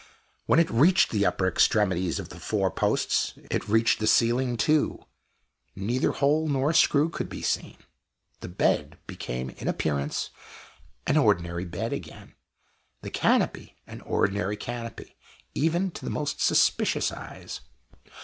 When it reached the upper extremities of the four posts, it reached the ceiling, too. Neither hole nor screw could be seen; the bed became in appearance an ordinary bed again the canopy an ordinary canopy even to the most suspicious eyes.